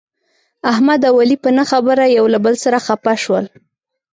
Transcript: احمد او علي په نه خبره یو له بل سره خپه شول.